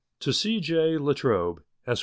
To C. J. La Trobe, Esq.